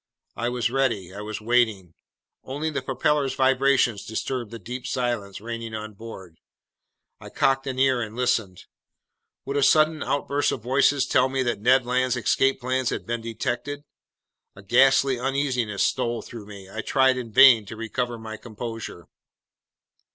I was ready. I was waiting. Only the propeller's vibrations disturbed the deep silence reigning on board. I cocked an ear and listened. Would a sudden outburst of voices tell me that Ned Land's escape plans had just been detected? A ghastly uneasiness stole through me. I tried in vain to recover my composure.